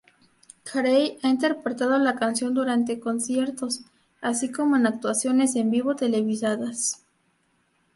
Carey ha interpretado la canción durante conciertos así como en actuaciones en vivo televisadas.